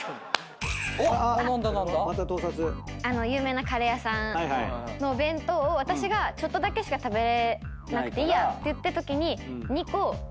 有名なカレー屋さんの弁当を私がちょっとだけしか食べなくていいやって言ったときに。